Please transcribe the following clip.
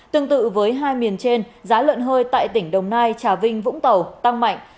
tương tự với hai miền trên giá lợn hơi tại tỉnh đồng nai trà vinh vũng tàu tăng mạnh